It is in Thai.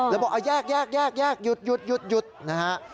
แล้วบอกแยกหยุดนะฮะ